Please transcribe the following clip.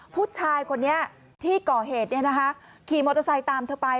ผู้ชายคนนี้ที่ก่อเหตุขี่มอเตอร์ไซค์ตามเธอไป